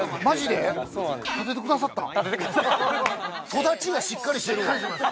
育ちがしっかりしてるわ。